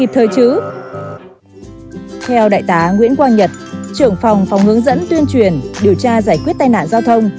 theo đại tá nguyễn quang nhật trưởng phòng phòng hướng dẫn tuyên truyền điều tra giải quyết tai nạn giao thông